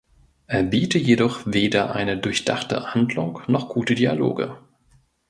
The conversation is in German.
Er biete jedoch weder eine durchdachte Handlung noch gute Dialoge.